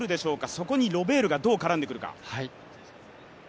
そこにロベールがどう絡んでくるか。